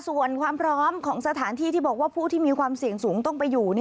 ส่วนความพร้อมของสถานที่ที่บอกว่าผู้ที่มีความเสี่ยงสูงต้องไปอยู่